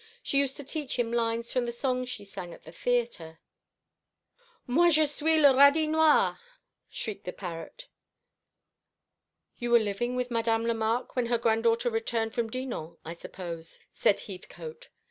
She used to teach him lines from the songs she sang at the theatre." "Moi, je suis le radis noir!" shrieked the parrot. "You were living with Madame Lemarque when her granddaughter returned from Dinan, I suppose?" said Heathcote.